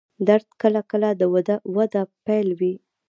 درد کله کله د وده پیل وي.